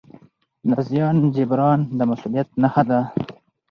د زیان جبران د مسؤلیت نښه ده.